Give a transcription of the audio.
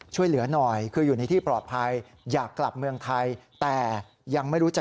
ช่วยเหลือหน่อยคืออยู่ในที่ปลอดภัย